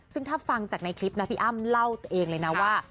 ซึ่งถ้าฟังจากในคลิปนะพี่อ้ำเล่าตัวเองเลยนะว่า